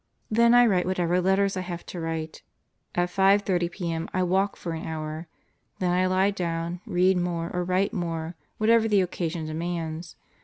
Then I write whatever letters I have to write. At 5:30 p.m. I walk for an hour. Then I lie down, read more or write more, whatever the occasion demands.